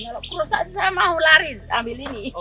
kalau kerusak saya mau lari ambil ini